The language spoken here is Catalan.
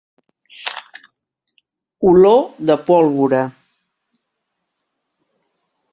Olor de pólvora.